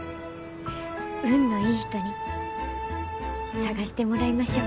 運のいい人に探してもらいましょ！